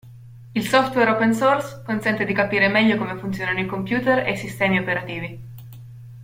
Il software open source consente di capire meglio come funzionano i computer e i sistemi operativi.